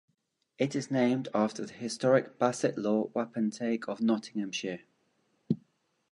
It is named after the historic Bassetlaw wapentake of Nottinghamshire.